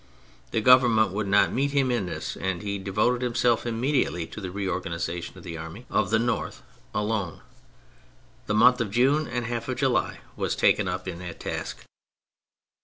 The Govern ment would not meet him in this, and he de voted himself immediately to the reorganisa tion of the Army of the North alone. The month of June and half of July was taken up in that task.